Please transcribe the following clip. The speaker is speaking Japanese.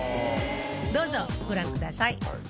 どうぞご覧ください。